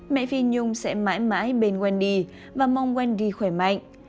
mẹ phi nhung sẽ mãi mãi bên wendy và mong wendy khỏe mạnh